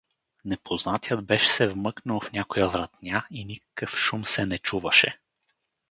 Непознатият беше се вмъкнал в някоя вратня и никакъв шум се не чуваше.